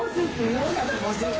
４５０円。